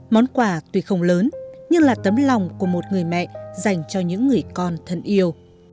món quà tuy không lớn nhưng là tấm lòng của một người mẹ dành cho những người con thân yêu